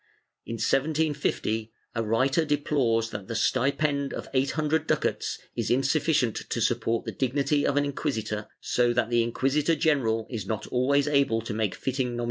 * In 1750, a writer deplores that the stipend of eight hundred ducats is insuffi cient to support the dignity of an inquisitor, so that the inquisitor general is not always able to make fitting nominations.